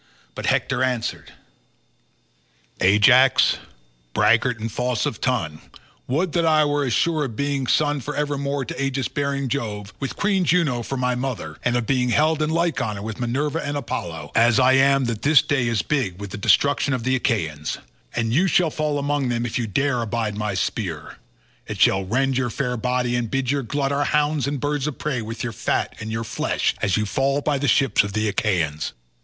But Hector answered, "Ajax, braggart and false of tongue, would that I were as sure of being son for evermore to aegis bearing Jove, with Queen Juno for my mother, and of being held in like honour with Minerva and Apollo, as I am that this day is big with the destruction of the Achaeans; and you shall fall among them if you dare abide my spear; it shall rend your fair body and bid you glut our hounds and birds of prey with your fat and your flesh, as you fall by the ships of the Achaeans."